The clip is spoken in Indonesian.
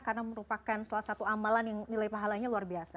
karena merupakan salah satu amalan yang nilai pahalanya luar biasa